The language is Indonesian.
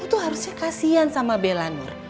kamu tuh harusnya kasian sama bella nur